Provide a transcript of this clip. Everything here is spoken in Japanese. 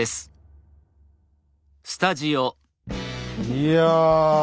いや。